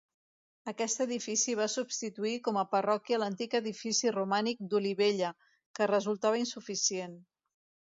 Aquest edifici va substituir com a parròquia l'antic edifici romànic d'Olivella, que resultava insuficient.